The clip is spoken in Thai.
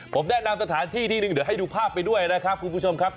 ผมแนะนำสถานที่ที่หนึ่งเดี๋ยวให้ดูภาพไปด้วยนะครับคุณผู้ชมครับ